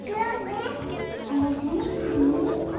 おやすみハニー。